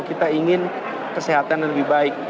kita ingin kesehatan yang lebih baik